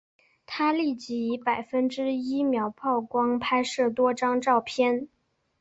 他立即以百分之一秒曝光拍摄多张照片。